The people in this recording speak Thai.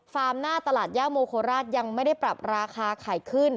หน้าตลาดย่าโมโคราชยังไม่ได้ปรับราคาไข่ขึ้น